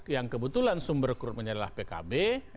yang kebetulan sumber rekrutmennya adalah pkb